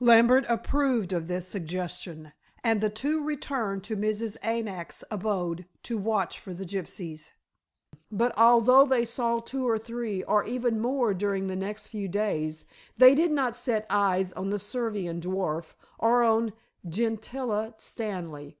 Lambert approved of this suggestion, and the two returned to Mrs. "Anak's" abode to watch for the gypsies. But, although they saw two or three, or even more during the next few days, they did not set eyes on the Servian dwarf, or on Gentilla Stanley.